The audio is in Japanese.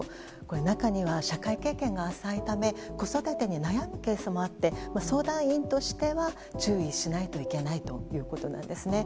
中には、社会経験が浅いため子育てに悩むケースもあって相談員としては注意しないといけないということなんですね。